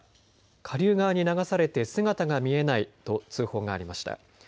下流側に流されて姿が見えないと通報がありました。